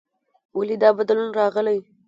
ولې دا بدلون راغلی؟